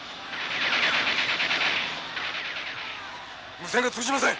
無線が通じません。